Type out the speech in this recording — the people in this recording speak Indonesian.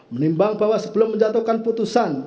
menimbang bahwa sebelum menjatuhkan putusan